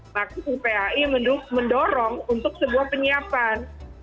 maksudnya pai mendorong untuk sebuah penyiapan